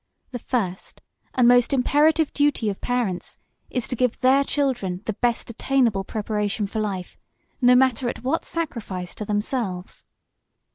The first and most imperative duty of parents is to give their children the best attainable preparation for life, no matter at what sacrifice to themselves.